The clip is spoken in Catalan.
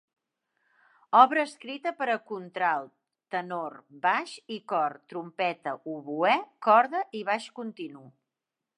Obra escrita per a contralt, tenor, baix i cor; trompeta, oboè, corda i baix continu.